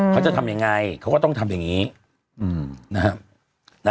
เขาจะทำยังไงเขาก็ต้องทำอย่างนี้นะครับ